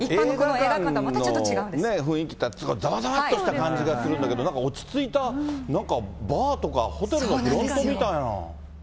映画館の雰囲気っていったら、ざわざわっとした感じがするんだけど、なんか落ち着いた、なんか、バーとかホテルのフロントみたい